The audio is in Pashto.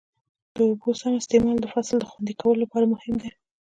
د اوبو سم استعمال د فصل د خوندي کولو لپاره مهم دی.